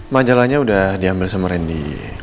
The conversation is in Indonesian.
majalahnya udah diambil sama randy